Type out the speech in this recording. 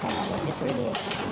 それで。